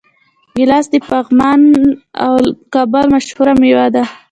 ګیلاس د پغمان او کابل مشهوره میوه ده.